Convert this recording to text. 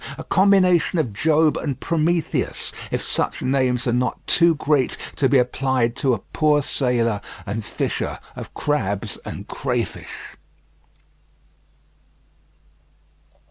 a combination of Job and Prometheus, if such names are not too great to be applied to a poor sailor and fisher of crabs and crayfish.